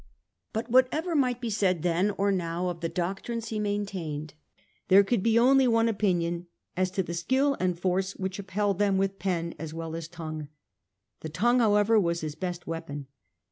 But whatever might he said then or now of the doctrines he maintained, there could be only one opinion as to the skill and force which upheld them with pen as well as tongue. The tongue, however, was his best weapon.